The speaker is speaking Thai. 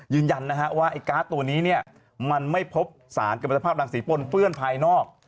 ยืนยันนะฮะว่าไอ้การ์ดตัวนี้เนี่ยมันไม่พบสารกรรมภาพรังสีปนเปื้อนภายนอก